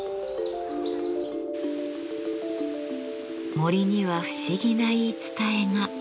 森には不思議な言い伝えが。